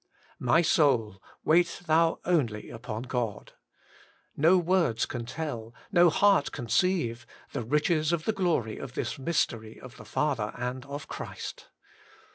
*My soul, wait thou only upon God.* No words can tell, no heart conceive, the riches of the glory of this mystery of the Father and of Christ.